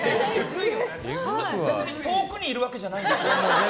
別に遠くにいるわけじゃないでしょ。